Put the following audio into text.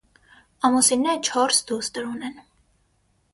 Ամուսինները չորս դուստր ունեն։